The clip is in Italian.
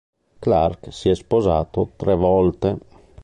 Clark si è sposato tre volte.